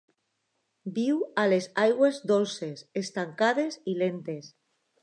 Viu a les aigües dolces, estancades i lentes.